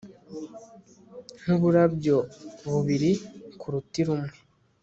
Nkuburabyo bubiri kuruti rumwe